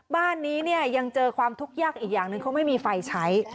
บ้านนี้เนี่ยยังเจอความทุกข์ยากอีกอย่างหนึ่งเขาไม่มีไฟใช้